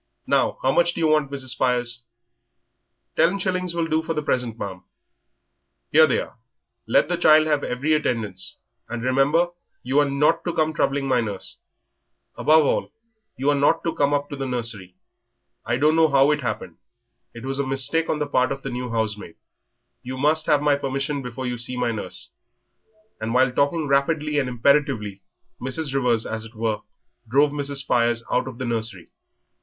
Now, how much do you want, Mrs. Spires?" "Ten shillings will do for the present, ma'am." "Here they are; let the child have every attendance, and remember you are not to come troubling my nurse. Above all, you are not to come up to the nursery. I don't know how it happened, it was a mistake on the part of the new housemaid. You must have my permission before you see my nurse." And while talking rapidly and imperatively Mrs. Rivers, as it were, drove Mrs. Spires out of the nursery.